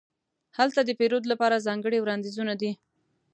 هلته د پیرود لپاره ځانګړې وړاندیزونه دي.